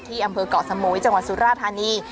ที่อำเภอก่อสมุยจังหวัดสุราธานี